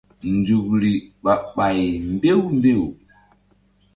Nzukri ɓah ɓay mbew mbew.